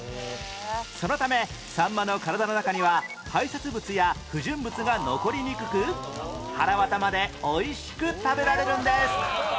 そのためさんまの体の中には排泄物や不純物が残りにくくはらわたまで美味しく食べられるんです